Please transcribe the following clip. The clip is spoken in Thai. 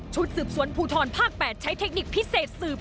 สืบสวนภูทรภาค๘ใช้เทคนิคพิเศษสืบ